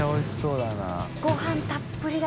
ごはんたっぷりだ。